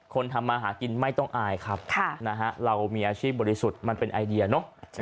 ทำมาหากินไม่ต้องอายครับเรามีอาชีพบริสุทธิ์มันเป็นไอเดียเนอะ